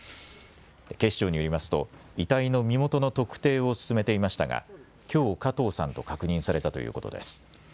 警視庁によりますと遺体の身元の特定を進めていましたがきょう加藤さんと確認されたということです。